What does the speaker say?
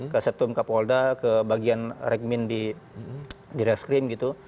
ke satum kapolda ke bagian regmin di rekskrim gitu